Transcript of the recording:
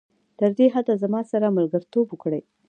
تر دې حده زما سره ملګرتوب وکړي.